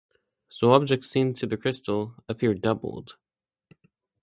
So objects seen through the crystal appear doubled.